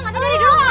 masih dari dulu maruk